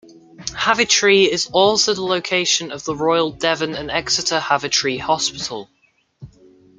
Heavitree is also the location of the Royal Devon and Exeter Heavitree Hospital.